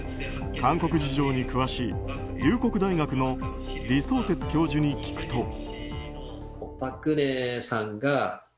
韓国事情に詳しい龍谷大学の李相哲教授に聞くと。